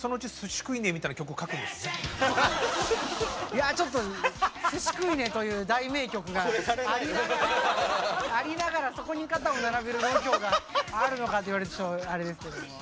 いやちょっと「スシ食いねェ」という大名曲がありながらそこに肩を並べる度胸があるのかと言われるとあれですけれども。